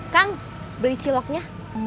kang beli ciloknya